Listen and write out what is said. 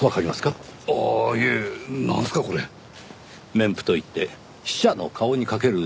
面布といって死者の顔にかける布です。